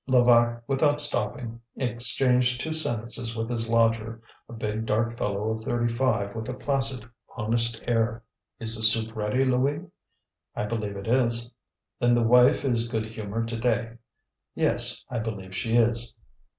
Levaque without stopping exchanged two sentences with his lodger, a big dark fellow of thirty five with a placid, honest air: "Is the soup ready, Louis?" "I believe it is." "Then the wife is good humoured to day." "Yes, I believe she is."